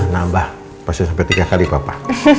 nambah pasti sampai tiga kali papa